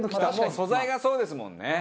素材がそうですもんね。